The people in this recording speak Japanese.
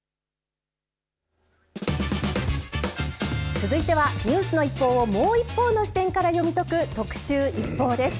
続いては、ニュースの一報をもう一方の視点から読み解く特集ＩＰＰＯＵです。